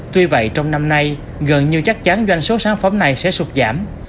tuy vậy trong năm nay gần như chắc chắn doanh số sản phẩm này sẽ sụp giảm